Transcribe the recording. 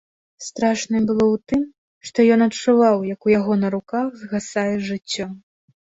Страшнае было ў тым, што ён адчуваў, як у яго на руках згасае жыццё.